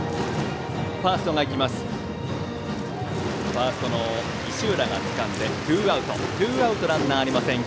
ファースト、石浦つかんでツーアウトランナーありません。